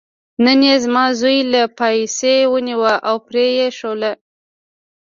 نن یې زما زوی له پایڅې ونیوه او پرې یې شلوله.